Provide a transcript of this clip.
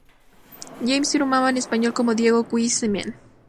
James firmaba en español como Diego Wiseman.